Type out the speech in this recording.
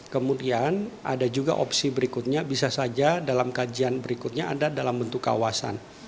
kemudian ada juga opsi berikutnya bisa saja dalam kajian berikutnya ada dalam bentuk kawasan